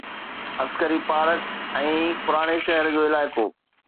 عسڪري park ۽ پراڻي شهر جو علائقو